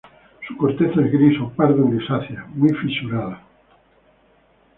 Su corteza es gris o pardo grisácea, muy fisurada.